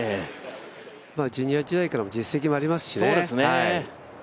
ジュニア時代からの実績もありますしね。